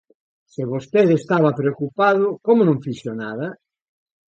Se vostede estaba preocupado, ¿como non fixo nada?